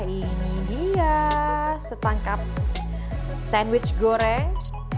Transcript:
ini dia setangkap sandwich goreng